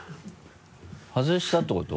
外したってこと？